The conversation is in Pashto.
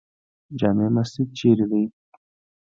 جامع مسجد چیرته دی؟